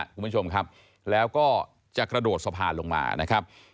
คุณผู้ชมครับแล้วก็จะกระโดดสะพานลงมานะครับ